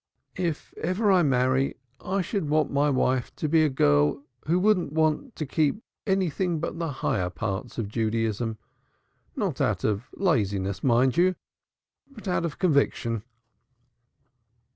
If ever I marry, I should like my wife to be a girl who wouldn't want to keep anything but the higher parts of Judaism. Not out of laziness, mind you, but out of conviction."